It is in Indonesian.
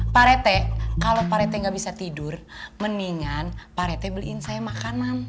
parete kalau parete gak bisa tidur mendingan parete beliin saya makanan